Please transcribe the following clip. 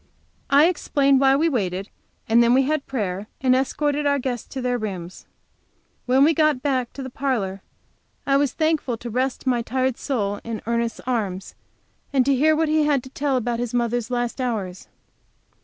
I explained why we waited, and then we had prayer and escorted our guests to their rooms. When we got back to the parlor I was thankful to rest my tired soul in Ernest's arms, and to hear what little he had to tell about his mother's last hours.